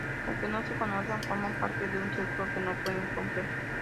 Aunque no se conocen forman parte de un círculo que no pueden romper.